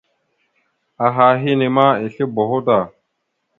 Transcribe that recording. Aha henne ma esle boho da.